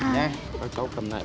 các cháu cầm lại ba này